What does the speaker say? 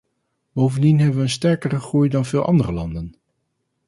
Bovendien hebben we een sterkere groei dan veel andere landen.